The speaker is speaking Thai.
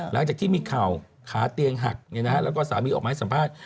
หลังจากที่มีข่าวขาเตียงหักแล้วก็สามีออกมาให้สัมภาษณ์